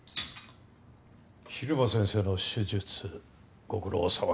蛭間先生の手術ご苦労さまでした。